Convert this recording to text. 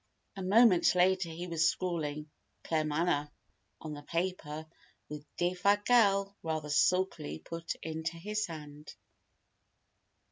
A moment later he was scrawling "Claremanagh" on the paper which Defasquelle rather sulkily put into his hand.